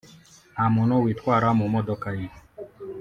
nta muntu witwara mu modoka ye